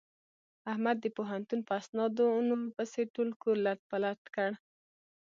احمد د پوهنتون په اسنادونو پسې ټول کور لت پت کړ.